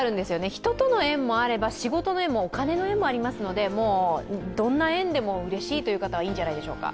人との縁もあれば、仕事もお金の縁もあるので、どんな縁でもうれしいという方もいいんじゃないでしょうか。